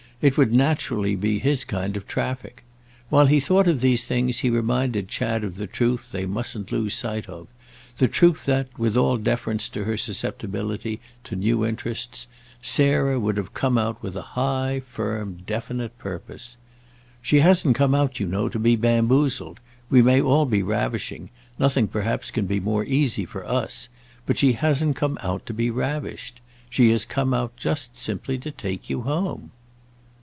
It would naturally be his kind of traffic. While he thought of these things he reminded Chad of the truth they mustn't lose sight of—the truth that, with all deference to her susceptibility to new interests, Sarah would have come out with a high firm definite purpose. "She hasn't come out, you know, to be bamboozled. We may all be ravishing—nothing perhaps can be more easy for us; but she hasn't come out to be ravished. She has come out just simply to take you home."